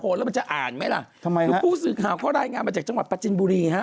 คือผู้สื่อข่าวเค้ารายงานมาจากจังหวัดประจรินบุรี